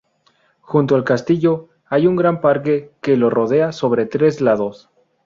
Junto al castillo hay un gran parque que lo rodea sobre tres lados.